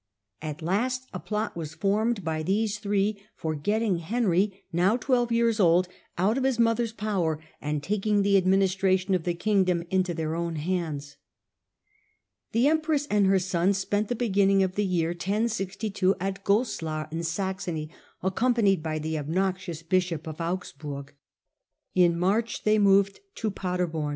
At last a plot was formed by these three for getting Henry, now twelve years old, out of his mother's power, and taking the administration of the kingdom into their own hands. The empress and her son spent the beginning of the year 1062 at Goslar in Saxony, accompanied by the obnoxious bishop of Augsburg. In March they moved to Paderbom.